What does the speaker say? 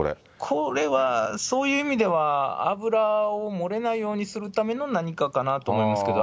これは、そういう意味では、油を漏れないようにするための何かかなと思いますけど。